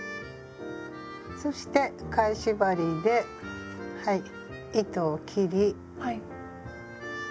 そして返し針ではい糸を切り。